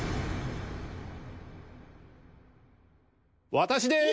私です。